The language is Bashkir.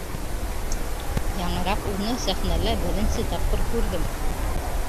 Яңыраҡ уны сәхнәлә беренсе тапҡыр күрҙем.